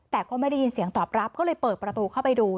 แต่ก็ไม่ได้ยินเสียงตอบรับก็เลยเปิดประตูเข้าไปดู